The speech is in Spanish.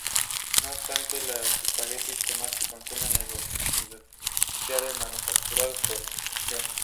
No obstante, los espaguetis que más se consumen son los industriales, manufacturados por extrusión.